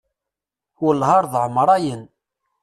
Welleh ar d ɛemrayen.